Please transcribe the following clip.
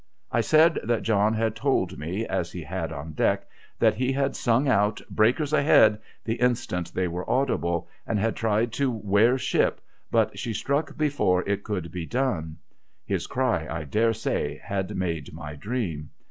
I said that John had told me (as he had on deck) that he had sung out ' Breakers ahead !' the instant they were audible, and had tried to wear ship, but she struck before it could be done. (His cry, I dare say, had made my dream.)